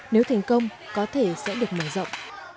nếu thành công có thể sẽ được mở rộng